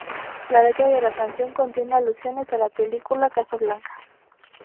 La letra de la canción contiene alusiones a la película Casablanca.